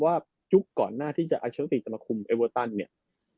ยุคก่อนหน้าที่จะอัลเชอร์ติจะมาคุมเอเวอร์ตันเนี่ย